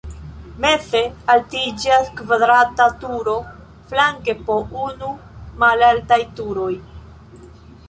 Meze altiĝas kvadrata turo, flanke po unu malaltaj turoj.